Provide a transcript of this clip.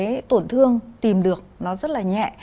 cái tổn thương tìm được nó rất là nhẹ